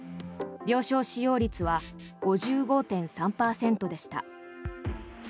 病床使用率は５５．３％でした。